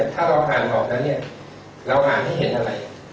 ถ้าเราอ่านออกนั้นเนี่ยเราอ่านให้เห็นอะไร